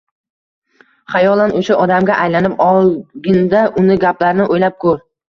Xayolan oʻsha odamga aylanib olginda, uni gaplarini oʻylab koʻr.